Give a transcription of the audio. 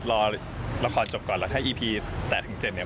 รอละครจบก่อนแล้วถ้าอีพีแต่ถึง๗นี้